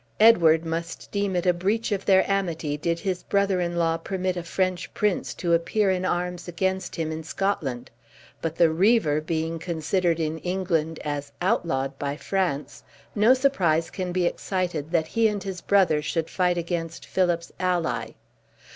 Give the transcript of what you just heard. Edward must deem it a breach of their amity did his brother in law permit a French prince to appear in arms against him in Scotland; but the Reaver being considered in England as outlawed by France, no surprise can be excited that he and his brother should fight against Philip's ally.